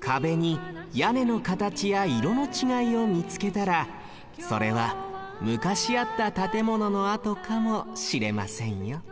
かべにやねのかたちやいろのちがいをみつけたらそれはむかしあった建物のあとかもしれませんよ